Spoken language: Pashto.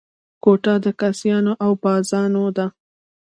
کوټه د کاسيانو او بازیانو ده.